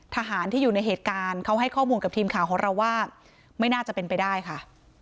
ทหารที่อยู่ในเหตุการณ์เขาให้ข้อมูลกับทีมข่าวของเราว่าไม่น่าจะเป็นไปได้ค่ะ